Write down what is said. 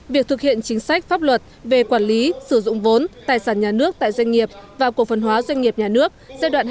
việc thực hiện chính sách pháp luật về quản lý sử dụng vốn tài sản nhà nước tại doanh nghiệp và cổ phần hóa doanh nghiệp nhà nước giai đoạn hai nghìn một mươi một hai nghìn hai mươi